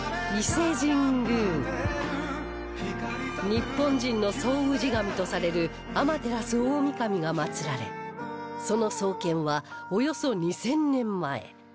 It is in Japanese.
日本人の総氏神とされる天照大御神が祀られその創建はおよそ２０００年前